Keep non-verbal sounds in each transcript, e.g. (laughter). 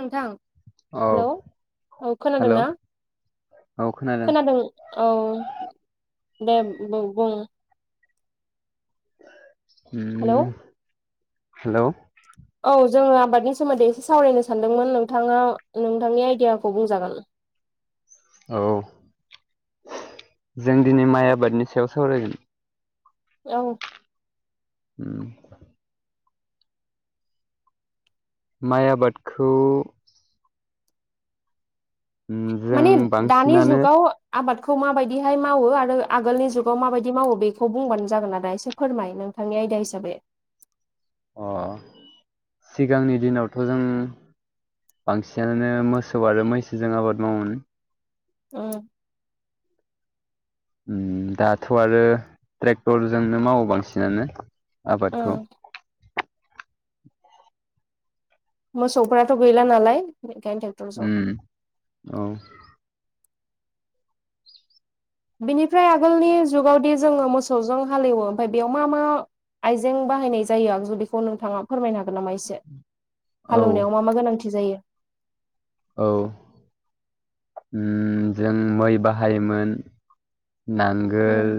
नोंथां हेल' औ औ खोनादों हेलौ ना खोनादों औ दे बु बुं हेलौ ओम हेलौ औ जोंङो आबादनि सोमोन्दै एसे सावरायनो सानदोंमोन नोंथाङा नोंथांनि आइडियाखौ बुंजागोन (inaudible) औ जों दिनै माइ आबादनि सायाव सावरायगोन औ (inaudible) माइ आबादखौ उम जों माने दानि बांसिनानो जुगाव आबाद खौ माबायदिहाय मावो आरो आगोलनि जुगाव माबायदि मावो बेखौ बुंबानो जागोन ना एसे फोरमाय नोंथांनि आयदा हिसाबै अह सिगांनि दिनावथ' जों बांसिनानो मोसौ आरो मैसोजों आबाद मावोमोन (unintelligible) दाथ' आरो ट्रेक्टरजोंनो मावो बांसिनानो आबादखौ उम मोसौफ्राथ' गैला नालाय बेखायनो ट्रेक्टरजों ओम औ बिनिफ्राय आगोलनि जुगावदि जोंङो मोसौजों हालेवो ओमफ्राय बेयाव मा मा आइजें बाहायनाय जायो आगजु बेखौ नोंथाङा फोरमायनो हागोन नामा एसे औ हालेवनायाव मा मा गोनांथि जायो औ जों मै बाहायोमोन नांगोल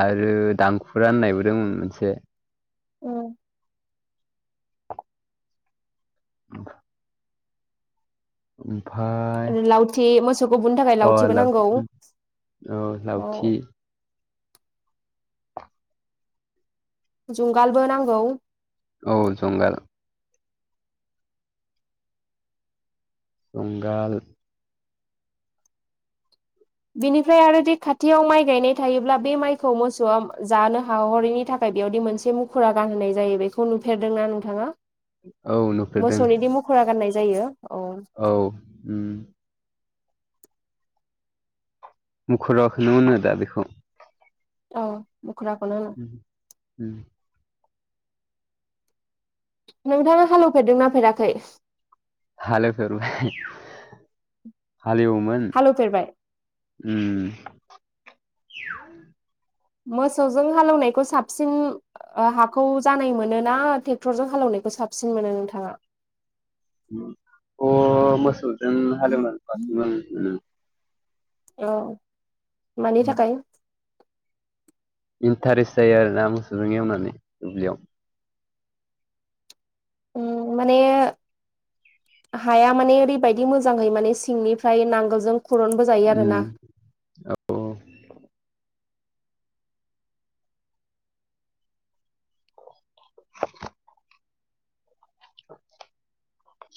आरो दांखुरा होननायबो दोंमोन मोनसे औ (inaudible) ओमफाय लावथि मोसौखौ बुनो थाखाय (unintelligible) ओ लावथिबो नांगौ लावथि जुंगालबो नांगौ औ जुंगाल जुंगाल बिनिफ्राय आरो दि खाथियाव माइ गायनाय थायोब्ला बे माइखौ मोसौआ जानो हाहरिनि थाखाय बेयावदि मोनसे मुखुरा गानहोनाय जायो बेखौ नुफेरदोंना नोंथाङा औ नुफेरदों मोसौनिदि मुखुरा गाननाय जायो औ औ औम मुखुराखोनो होनो दा बेखौ औ मुखुराखौनो होनो ओम नोंथांङा हालेवफेरदों नाफेराखै हालेवफेरबाय हालेवोमोन हालेवफेरबाय ओम मोसौजों हालेवनायखौ साबसिन ओ हाखौ जानाय मोनोना ट्रेक्टरजों हालेवनाय खौ साबसिन मोनो नोंथाङा अ मोसौजों हालेवनानै साबसिन मोनो ओम औ मानि थाखाय इन्टारेस्ट जायो आरो ना मोसौजों एवनानै दुब्लियाव ओम माने हाया माने ओरैबायदि मोजाङै माने सिंनिफ्राय नांगोलजों खुरनबो जायो आरोना उम अ (unintelligible)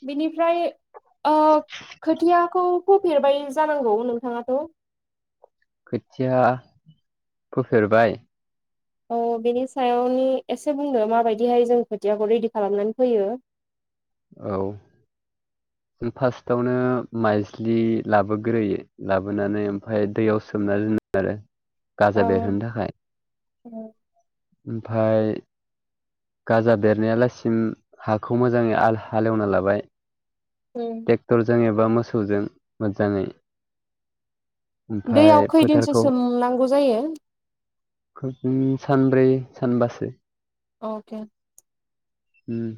बिनिफ्राय ओ खोथियाखौ फोफेरबाय जानांगौ नोंथांङाथ'। खोथिया फोफेरबाय। औ बेनि सायावनि एसे बुंनो माबायदिहाय जों खोथियाखौ रेडि खालामनानै फोयो। औ जों फार्स्टआवनो माइज्लि लाबोग्रोयो लाबोनानै ओमफ्राय दैयाव सोमना दोन आरो औ गाजा बेरहोनो थाखाय ओमफाय गाजा बेरनायालासिम हाखौ मोजांङै हालेवना लाबाय टेक्टरजों एबा मोसौजों मोजांङै दैयाव ओमफाय खैदिनसो फोथारखौ सोमनांगौ जायो सानब्रै सानबासो अके उम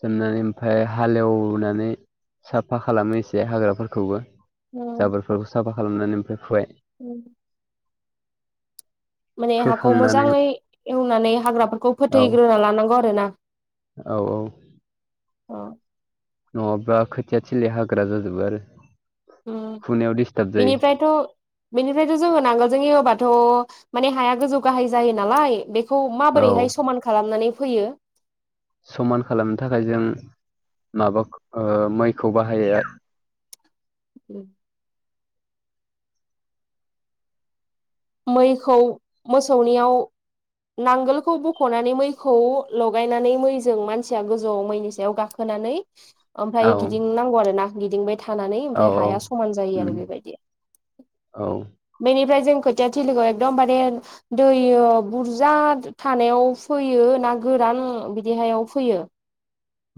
सोमनानै ओमफाय हालेवनानै साफा खालामो एसे हाग्राफोरखौबो जाबोरफोरखौ साफा खालामनानै ओमफाय फुबाय उम माने हाखौ फोखांनानै मोजांङै एवनानै हाग्राफोरखौ औ फोथैग्रोना लानांगौ आरो ना। औ औ अ नंङाब्ला खोथिया थिलिया हाग्रा जाजोबो आरो उम खुनायाव दिस्टार्ब जायो बिनिफ्रायथ बिनिफ्रायथ जों नांगोलजों एवबा थ माने हाया गोजौ गाहाय जायो नालाय बेखौ औ माबोरैहाय समान खालामनानै फैयो। समान खालामनो थाखाय जों माबा मैखौ बाहायो उम मैखौ मोसौनियाव नांगोलखौ बखनानै मैखौ लगायनानै मैजों मानसिया गोजौआव मैनि सायाव गाखोनानै ओमफ्राय औ गिदिंनांगौ आरो ना गिदिंबाय थानानै औ हाया समान जायो उम आरो बेबायदि औ बेनिफ्राय जों खोथियाथिलिखौ एकदमबारे दै बुरजा थानायाव फैयो ना गोरान बिदिहायाव फैयो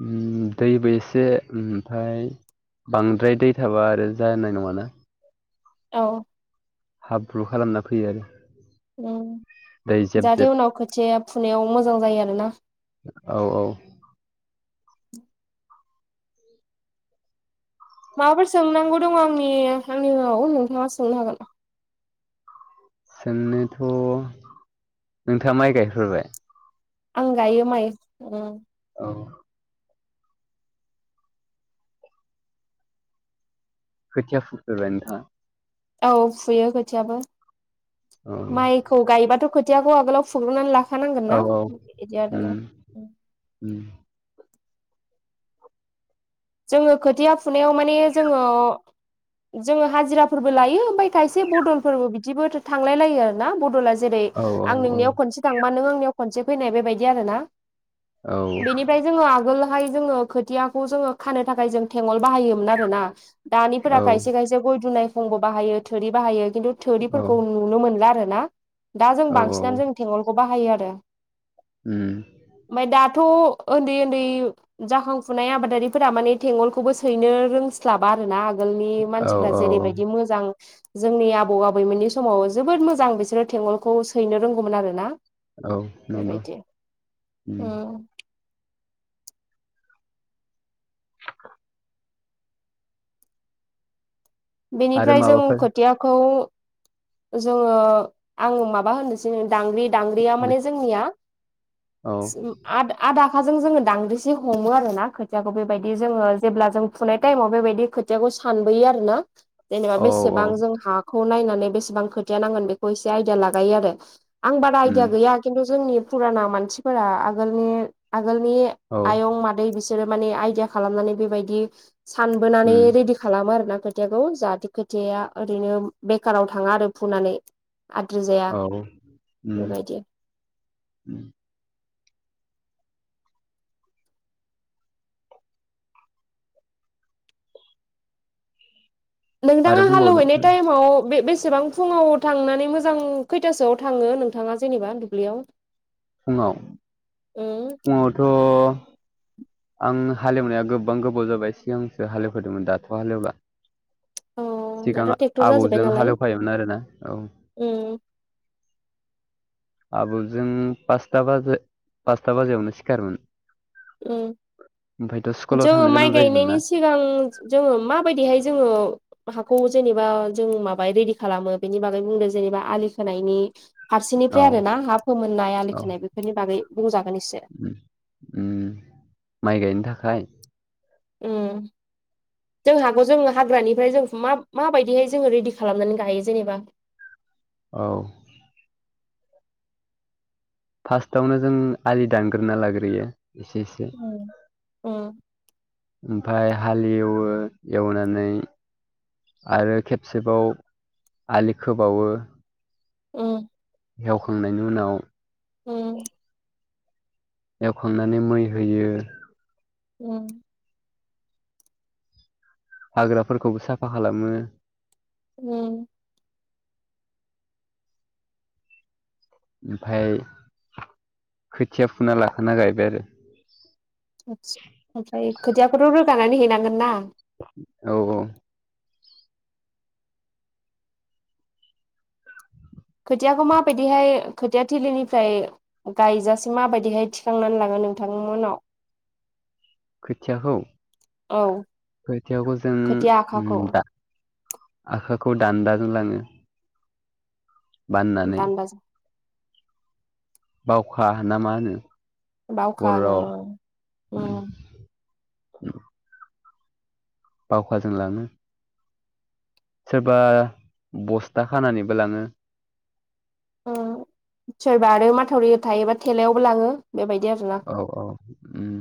उम दैबो एसे ओमफ्राय बांद्राय दै थाबा आरो जानाय नङाना। औ हाब्रु खालामना फैयो आरो दै जेब जाहाथे जेब उनाव खोथिया फुनायाव मोजां जायो आरो ना। औ औ माबाफोर सोंनांगौ दंङ आंनि आंनिआव नोंथांङा सोंनो हागोन। सोंनोथ नोंथाङा माइ गायफेरबाय? आंगायो माय। औ खोथिया फुफेरबाय नोंथाङा? औ फुयो खोथियाबो औ माइखौ गायोबाथ खोथियाखौ आगोलाव फुग्रनानै लाखानांगोन औ ना औ बिदि उम आरोना उम जोङो खोथिया फुनायाव माने जोङो जोङो हाजिराफोरबो लायो ओमफाय खायसे बदलफोरबो बिदिबो थांलाय लायो आरो ना बदला जेरै औ आं औ नोंनियाव खनसे थांबा नों आंनियाव खनसे फैनाय बेबायदि आरो ना औ बेनिफ्राय जोङो आगोल हाय जोङो खोथियाखौ जोङो खानो थाखाय जों थेंअल बाहायोमोन आरो ना दानिफोरा औ खायसे खायसे गय दुनाय फुंबो बाहायो थोरि बाहायो। खिन्थु औ थोरिफोरखौ नुनो मोनला आरो ना दा जों औ औ बांसिनानो जों थेेंगलखौ बाहायो आरो (inaudible) उम थ' ओन्दै ओन्दै जाखांफुनाय आबादारि फोरा माने थेंवलखौबो सैनो रोंस्लाबा आरो ना आगोलनि औ मानसिफोरा औ औ जेरैबायदि मोजां जोंनि आबौ आबैमोननि समाव जोबोद मोजां बिसोरो थेंवलखौ सैनो रोंगौमोन आरो ना औ नंगौ बेबायदि उम आरो बेनिफ्राय जों माबाफोर खोथियाखौ जोङो आं माबा होननोसै दांग्रि दांग्रिया माने जोंनिया औ सिम आद आदा खाजों जोङो दांद्रिसे हमो आरो ना खोथियाखौ बेबायदि जोङो जेब्ला जों फुनाय टाइमाव बेबायदि खोथियाखौ सानबोयो आरो ना जेनेबा औ औ बेसेबां जों हाखौ नायनानै बेसेबां खोथिया नांगोन बेखौ एसे आइदिया लागायो आरो आं बारा उम आइदिया गैया किन्थु जोंनि फुराना मानसिफोरा आगोलनि आगोलनि औ आयं मादै बिसोरो माने आइदिया खालामनानै बेबायदि सानबोनानै उम रेडि खालामो आरो ना खोथियाखौ जाहाथे खोथि ओरैनो बेखाराव थाङा आरो फुनानै आद्रि जाया औ उम बेबायदि। उम आरो नोंथाङा हालेव बुंबावदो हैनाय टाइमाव बे-बेसे बां फुङाव थांनानै मोजां खैथासोआव थाङो नोंथाङा जेनेबा दुब्लियाव फुङाव उम फुङावथ' आं हालेवनाया गोबां गोबाव जाबाय सिगांसो हालेव फेरदोंमोन दाथ' हालेवला अ सिगां दाथ' ट्रेक्टर जाजोब्बाय आबौजों नालाय हालेव फायोमोन आरो ना औ उम आबौजों पासता बाजि पासता बाजियावनो सिखारोमोन। ए ओमफ्रायथ' स्कुलाव जोङो थांनो माइ गोनां जायोमोन ना गायनायनि सिगां जोङो माबायदि हाय जोङो हाखौ जेनेबा जों माबा रेडि खालामो बेनि बागै बुंदो जेनेबा आलि खोनायनि औ फारसेनिफ्राय आरो ना हा फोमोननाय आलि औ खोनाय बेफोरनि बागै बुंजागोन एसे उम उम माइ गायनो थाखाय उम जों हागौ जों हाग्रानिफ्राय जों मा-माबायदियै जोङो रेडि खालामनानै गायो जेनेबा। औ फार्स्टावनो जों आलि दानग्रोना लाग्रोयो एसे एसे उम उम ओमफाय हालेवो एवनानै आरो खेबसेबाव आलि खोबावो उम एवखांनायनि उनाव उम एवखांनानै मै होयो। उम हाग्राफोरखौबो साफा खालामो। उम ओमफाय खोथिया फुना लाखाना गायबाय आरो आतसा ओमफाय खोथियाखौथ' रोगानानै हैनांगोन ना औ औ खोथियाखौ माबायदिहाय खोथिया थिलिनिफ्राय गायजासिम माबायदिहाय थिखांनानै लाङो। नोंथां मोननाव (inaudible) खोथियाखौ औ खोथियाखौ जों खोथिया आखाखौ दा आखोखौ दान्दाजों लाङो। बाननानै दान्दाजों बावखा ना मा होनो? बाउखा हैनो बर'आव उम। (inaudible) बावखाजों लाङो। सोरबा बस्था खानानैबो लाङो। ओ सोरबा आरो माथावरि थायोबा थेलायावबो लाङो बेबायदि आरोना। औ औ उम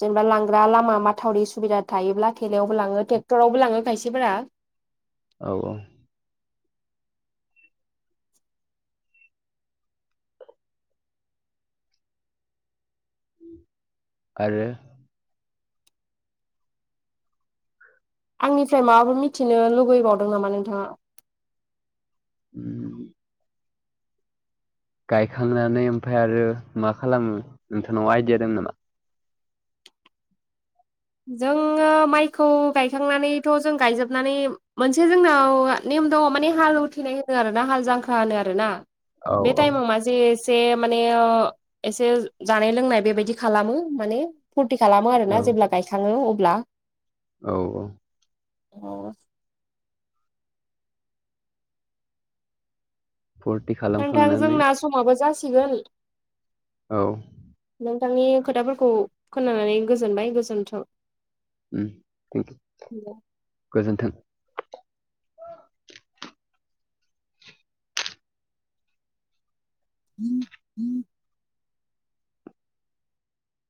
जेनेबा लांग्रा लामा माथावरि सुबिदा थायोब्ला थेलायावबो लाङो। ट्रेक्टरावबो लाङो खायसेफोरा। औ औ आरो आंनिफ्राय माबाफोर मिथिनो लुगैबावदों नामा नोंथाङा? उम गायखांनानै ओमफ्राय आरो मा खालामो नोंथांनाव आइडिया दं नामा? जोङो माइखौ गायखांनानैथ' जों गायजोबनानै मोनसे जोंनाव ने नेम दङ माने हाल उथिनाय होनो आरो ना हाल जांख्रा होनो आरोना। औ बे औ टाइमाव मा जे एसे माने एसे जानाय लोंनाय बेबायदि खालामो माने। फुरथि खालामो औ आरोना जेब्ला गायखाङो अब्ला। औ औ औ फुरथि नोंथां खालामखांनानै जोंना समाबो जासिगोन। औ नोंथांनि खोथाफोरखौ खोनानानै गोजोनबाय गोजोनथों। उम गोजोन्थों। (inaudible)